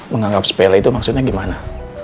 menganggap sepele itu maksudnya gimana